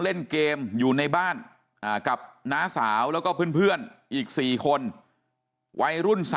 เล่นเกมอยู่ในบ้านกับน้าสาวแล้วก็เพื่อนอีก๔คนวัยรุ่น๓